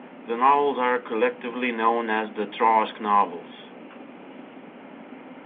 The novels are collectively known as the Trask novels.